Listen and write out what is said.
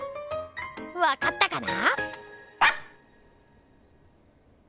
わかったかな？